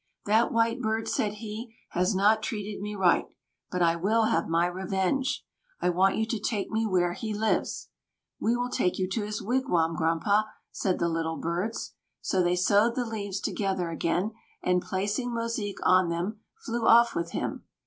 "That White Bird," said he, "has not treated me right; but I will have my revenge. I want you to take me where he lives." "We will take you to his wigwam, Grandpa," said the Little Birds. So they sewed the leaves together again, and placing Mosique on them, flew off with him.